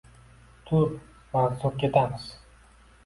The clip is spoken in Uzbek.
– Tur, Mansur ketamiz”.